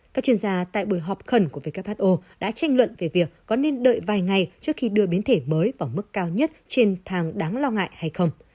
các chuyên gia tại buổi họp khẩn của who đã tranh luận về việc có nên đợi vài ngày trước khi đưa biến thể mới vào mức cao nhất trên thang đáng lo ngại hay không